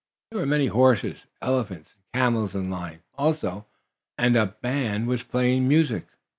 There were many horses, elephants and camels in line also, and a band was playing music.